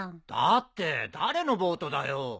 だって誰のボートだよ。